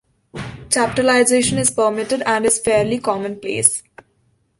Chaptalization is permitted, and is fairly common-place.